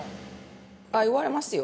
◆言われますよ。